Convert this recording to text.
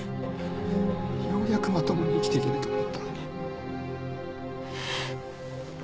ようやくまともに生きていけると思ったのに。